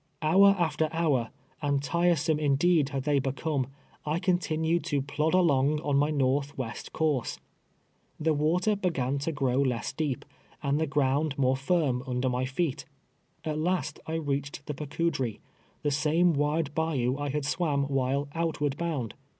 Hour after hour, and tiresome indeed had they become, I contin ued to plod along on my north west course. Tlie wa ter began to grow less deep, and the ground more firm under my feet. At last I reached the Pacouch ie, the same wide bayou I had swam while " outward bound."